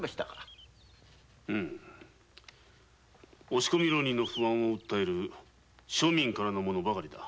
押し込み浪人の不安を訴える庶民のものばかりだ。